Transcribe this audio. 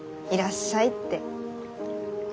「いらっしゃい」って。